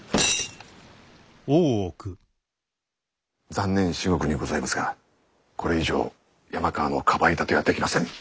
残念至極にございますがこれ以上山川の庇い立てはできませぬ。